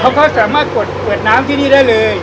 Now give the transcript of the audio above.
เขาก็สามารถกดน้ำทีนี้ได้เลย